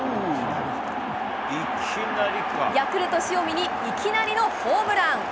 ヤクルト、塩見にいきなりのホームラン。